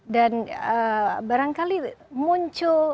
dan barangkali muncul